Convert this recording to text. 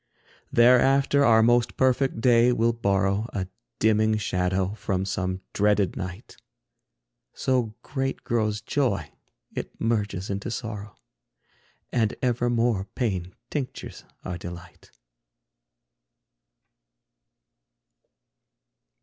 Thereafter our most perfect day will borrow A dimming shadow from some dreaded night. So great grows joy it merges into sorrow, And evermore pain tinctures our delight.